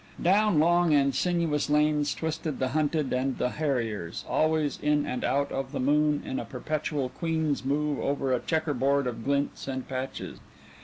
Down long and sinuous lanes twisted the hunted and the harriers, always in and out of the moon in a perpetual queen's move over a checker board of glints and patches.